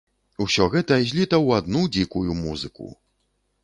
Усё гэта зліта ў адну дзікую музыку.